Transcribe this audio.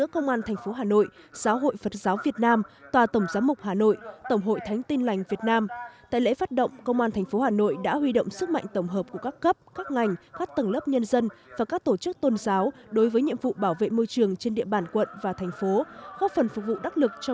công an thành phố hà nội đã tổ chức lễ phát động phong trào và gia quân giữ gìn vệ sinh môi trường